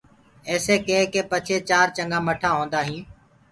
ايسي ڪي ڪي پچهي چآر چنگآ ٻٽآ هوندآ هينٚ